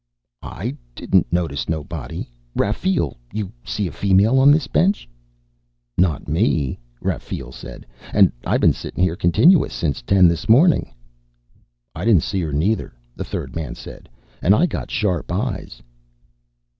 "I didn't notice nobody. Rafeel, you see a female on this bench?" "Not me," Rafeel said. "And I been sitting here continuous since ten this morning." "I didn't see her neither," the third man said. "And I got sharp eyes."